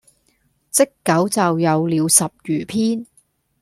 積久就有了十餘篇。